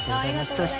そして。